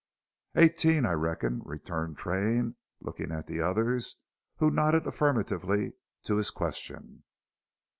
"Eighteen, I reckon," returned Train, looking at the others, who nodded affirmatively to his question.